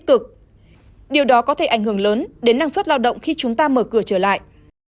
điều đó có thể ảnh hưởng lớn đến năng suất lao động khi chúng ta mở cửa trở lại